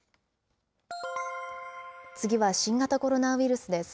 次は新型コロナウイルスです。